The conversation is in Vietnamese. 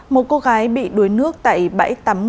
một cô gái bị đuối nước tại bãi tắm